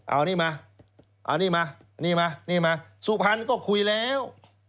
เอานี่มาเอานี่มานี่มานี่มาสุพรรณก็คุยแล้ว